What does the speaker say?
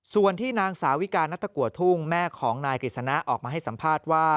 ส่วนที่นางสาวิกานัตกัวทุ่งแม่ของนายกฤษณะออกมาให้สัมภาษณ์ว่า